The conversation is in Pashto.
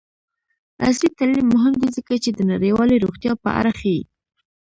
عصري تعلیم مهم دی ځکه چې د نړیوالې روغتیا په اړه ښيي.